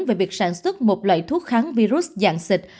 về việc sản xuất một loại thuốc kháng virus dạng xịt